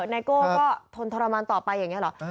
ไนโก้ก็ทนทรมานต่อไปอย่างนี้หรอ